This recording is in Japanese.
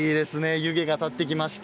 湯気が立ってきました。